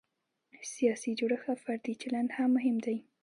سیاسي جوړښت او فردي چلند هم مهم دی.